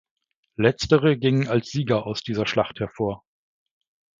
Letztere gingen als Sieger aus dieser Schlacht hervor.